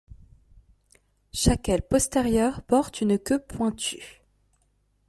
Chaque aile postérieure porte une queue pointue.